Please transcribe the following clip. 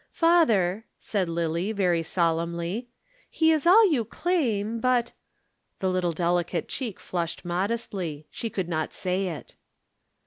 "Father," said Lillie very solemnly, "he is all you claim, but ." The little delicate cheek flushed modestly. She could not say it.